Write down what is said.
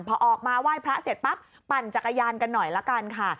พอออกมาไหว้พระเสร็จปั๊บปั่นจักรยานกันหน่อยละกันค่ะ